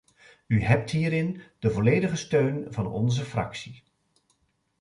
U hebt hierin de volledige steun van onze fractie.